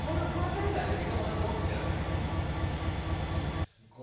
この件に関しては三鴨さんどう見ていらっしゃいますか。